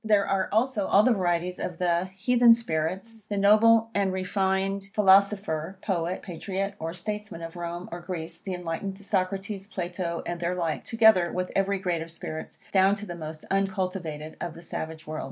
There are also all the varieties of the heathen spirits; the noble and refined philosopher, poet, patriot, or statesman of Rome or Greece; the enlightened Socrates, Plato, and their like; together with every grade of spirits, down to the most uncultivated of the savage world.